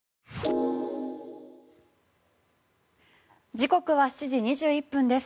時刻は７時２１分です。